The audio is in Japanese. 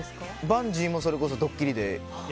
バンジーも、それこそドッキリで。